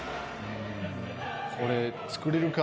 これ作れるか？